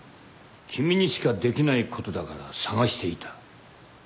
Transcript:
君にしかできないことだから捜していた。